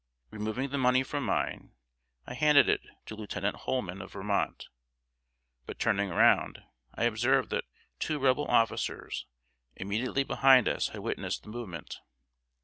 Removing the money from mine, I handed it to Lieutenant Holman, of Vermont; but, turning around, I observed that two Rebel officers immediately behind us had witnessed the movement.